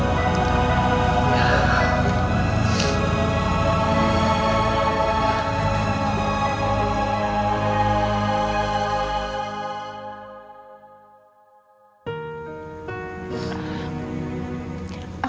aku coba telepon rama dulu ya